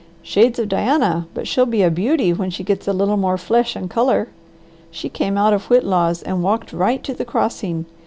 "Shades of Diana, but she'll be a beauty when she gets a little more flesh and colour. She came out of Whitlaw's and walked right to the crossing.